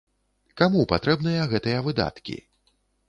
Каму патрэбныя гэтыя выдаткі?